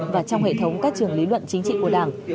và trong hệ thống các trường lý luận chính trị của đảng